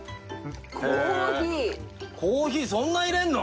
コーヒーそんな入れるの！？